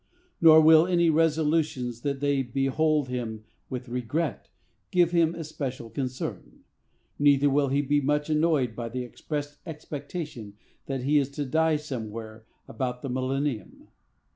Nor will any resolutions that they "behold him with regret" give him especial concern; neither will he be much annoyed by the expressed expectation that he is to die somewhere about the millennium.